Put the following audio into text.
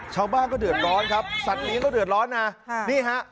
ชาวบ้านก็เดือดร้อนครับสัตว์เลี้ยงก็เดือดร้อนนะนี่ฮะ